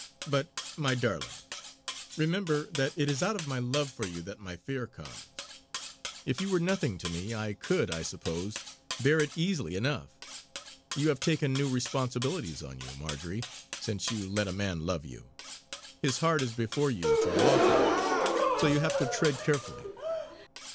But, my darling, remember that it is out of my love for you that my fear comes. If you were nothing to me, I could, I suppose, bear it easily enough. You have taken new responsibilities on you, Marjory, since you let a man love you. His heart is before you to walk on; so you have to tread carefully."